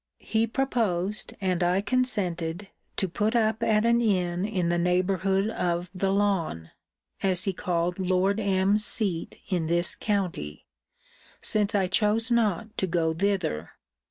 He proposed, and I consented, to put up at an inn in the neighbourhood of The Lawn (as he called Lord M.'s seat in this county) since I chose not to go thither.